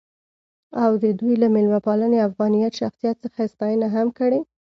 او د دوي له میلمه پالنې ،افغانيت ،شخصیت څخه يې ستاينه هم کړې.